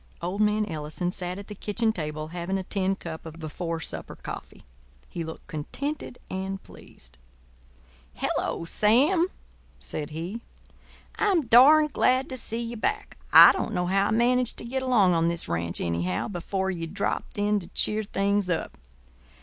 Old man Ellison sat at the kitchen table, having a tin cup of before supper coffee. He looked contented and pleased. "Hello, Sam," said he. "I'm darned glad to see ye back. I don't know how I managed to get along on this ranch, anyhow, before ye dropped in to cheer things up.